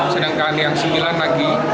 sedangkan yang sembilan lagi